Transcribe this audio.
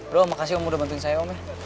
udah makasih om udah bantuin saya om